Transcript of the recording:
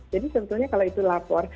jadi sebetulnya kalau itu lapor